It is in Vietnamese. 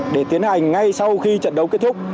để tiến hành ngay sau khi trận đấu kết thúc